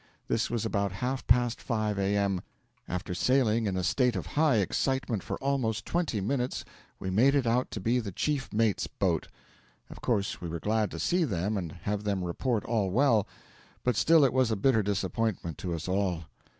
This was about half past five A.M. After sailing in a state of high excitement for almost twenty minutes we made it out to be the chief mate's boat. Of course we were glad to see them and have them report all well; but still it was a bitter disappointment to us all.